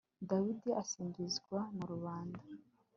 Dawidi asingizwa na rubanda